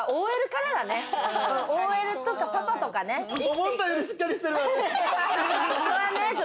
思ったよりしっかりしてる。